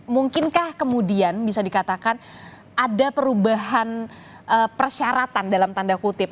mungkinkah kemudian bisa dikatakan ada perubahan persyaratan dalam tanda kutip